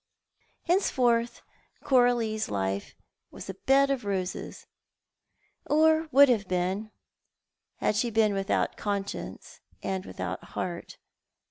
1 3 Henceforward, Coralio's life was a bed of roses — or would have been had she been without conscience and without heart.